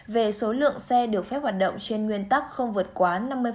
về số lượng xe được phép hoạt động trên nguyên tắc không vượt quá năm mươi